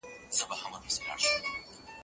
د رواني معالج سره اړیکه د درملنې برخه ده.